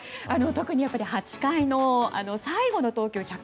特に８回の最後の投球。